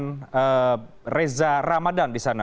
dan reza ramadhan di sana